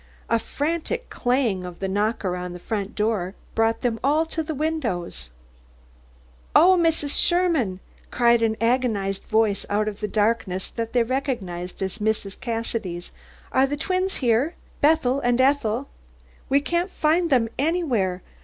A frantic clang of the knocker on the front door brought them all to the windows. "Oh, Mrs. Sherman!" cried an agonised voice out of the darkness, that they recognised as Mrs. Cassidy's, "are the twins here? Bethel and Ethel? We can't find them anywhere.